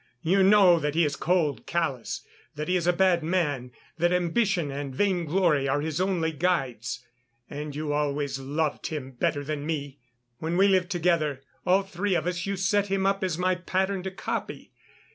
You know that he is cold, callous, that he is a bad man, that ambition and vainglory are his only guides. And you always loved him better than me. When we lived together, all three of us, you set him up as my pattern to copy.